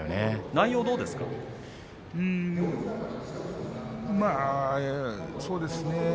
内容どうですか。